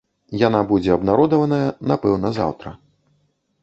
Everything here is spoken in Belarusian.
Яна будзе абнародаваная, напэўна, заўтра.